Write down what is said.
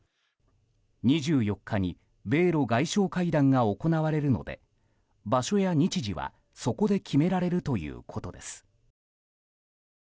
２４日に米露外相会談が行われるので場所や日時はそこで決められるということです。